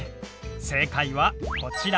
正解はこちら。